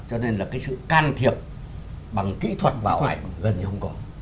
cho nên là cái sự can thiệp bằng kỹ thuật vào ảnh gần như không có